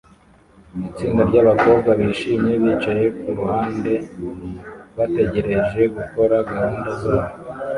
Itsinda ryabakobwa bishimye bicaye kuruhande bategereje gukora gahunda zabo